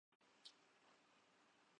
کہ نہ بجھنے کے لیے روشن ہوا ہے۔